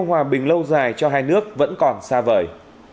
cho thấy mục tiêu hòa bình lâu dài cho hai nước vẫn còn xa vời